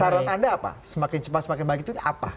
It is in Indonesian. saran anda apa semakin cepat semakin baik itu apa